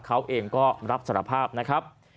เขาเองก็รับสารภาพนะครับ